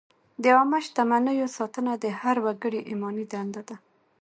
د عامه شتمنیو ساتنه د هر وګړي ایماني دنده ده.